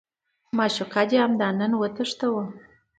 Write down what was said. معشوقه دې همدا نن وتښتوه.